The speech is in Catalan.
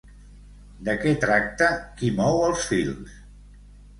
De què tracta "Qui mou els fils?"?